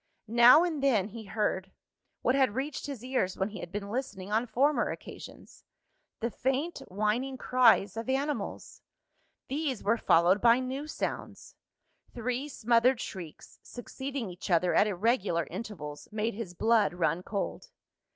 Now and then, he heard what had reached his ears when he had been listening on former occasions the faint whining cries of animals. These were followed by new sounds. Three smothered shrieks, succeeding each other at irregular intervals, made his blood run cold.